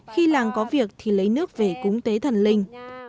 khi làng có việc thì lấy nước về cúng tế thần linh